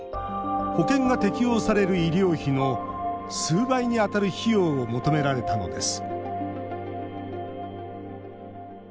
保険が適用される医療費の数倍に当たる費用を求められたのです